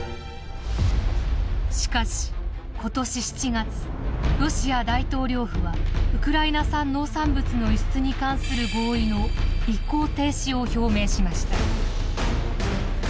しかし今年７月ロシア大統領府はウクライナ産農産物の輸出に関する合意の履行停止を表明しました。